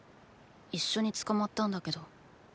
一緒に捕まったんだけど。